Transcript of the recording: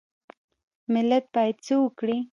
ملت باید څه وکړي؟